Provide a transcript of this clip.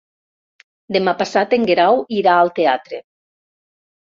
Demà passat en Guerau irà al teatre.